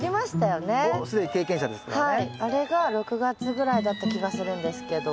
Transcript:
あれが６月ぐらいだった気がするんですけど。